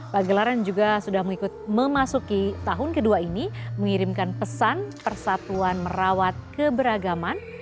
pagelaran juga sudah memasuki tahun kedua ini mengirimkan pesan persatuan merawat keberagaman